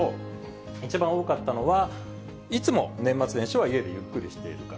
一番多かったのは、いつも年末年始は家でゆっくりしているから。